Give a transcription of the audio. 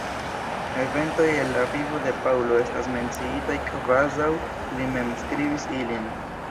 Eventoj el la vivo de Paŭlo estas menciitaj kvazaŭ li mem skribis ilin.